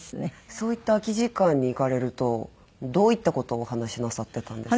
そういった空き時間に行かれるとどういった事をお話しなさってたんですか？